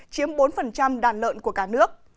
chiếm bốn đàn lợn của cả nước